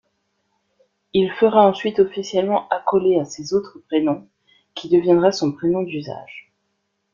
Il fera ensuite officiellement accoler à ses autres prénoms, qui deviendra son prénom d'usage.